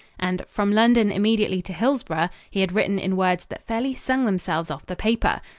And "from London immediately to Hillsboro" he had written in words that fairly sung themselves off the paper.